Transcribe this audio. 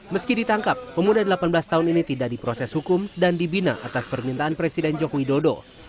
meski ditangkap pemuda delapan belas tahun ini tidak diproses hukum dan dibina atas permintaan presiden joko widodo